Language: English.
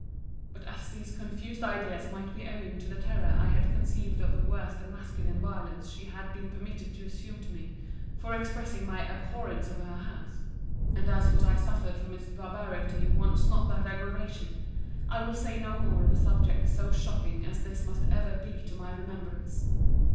But as these confused ideas might be owing to the terror I had conceived of the worse than masculine violence she had been permitted to assume to me, for expressing my abhorrence of her house; and as what I suffered from his barbarity wants not that aggravation; I will say no more on a subject so shocking as this must ever be to my remembrance.